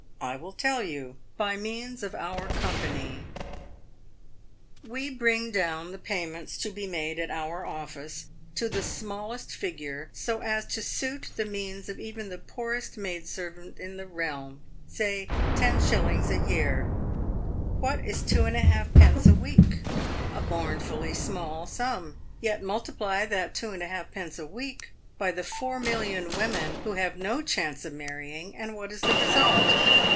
I will tell you : by means of our Company. PAYED WITH GOLD. 249 " We briDg down the payments to be made at our office to the smallest figure, so as to suit the means of even the poorest maid servant in the realm — say, 10s. a year. "What is 2^d. a week? A mournfully small sum ; yet multiply that 2 Jd. a week by the four million women who have no chance of marrying, and what is the re sult